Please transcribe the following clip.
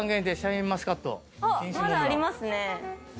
まだありますね。